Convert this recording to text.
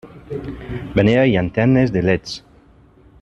Venia llanternes de leds.